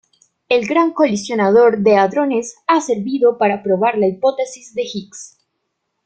El Gran Colisionador de Hadrones ha servido para probar las hipótesis de Higgs.